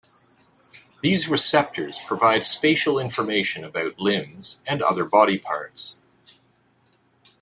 These receptors provide spatial information about limbs and other body parts.